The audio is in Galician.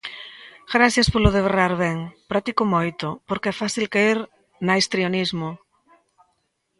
Grazas polo de berrar ben, practico moito, porque é fácil caer na histrionismo.